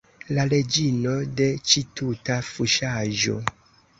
La reĝino de ĉi tuta fuŝaĵo!